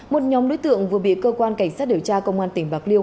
một nhóm đối tượng vừa bị cơ quan cảnh sát điều tra công an tỉnh bạc liêu